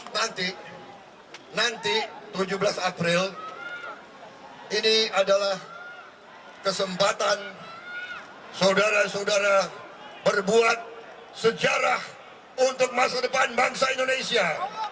nanti nanti tujuh belas april ini adalah kesempatan saudara saudara berbuat sejarah untuk masa depan bangsa indonesia